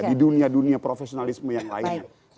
di dunia dunia profesionalisme yang lainnya